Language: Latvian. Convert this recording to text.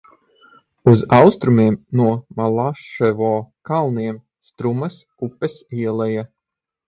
Uz austrumiem no Malaševo kalniem – Strumas upes ieleja.